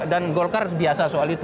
dan golkar biasa soal itu